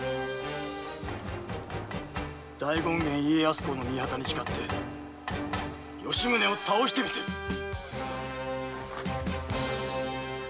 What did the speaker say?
大権現家康公の御旗に誓って吉宗を倒して見せるぞ！